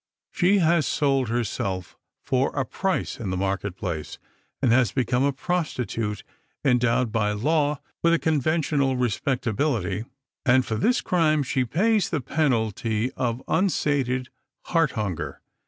She has sold herself for a price in the market place, and has become a prostitute endowed by law with a conventional respectability, and for this crime she pays the penalty of unsated heart hunger.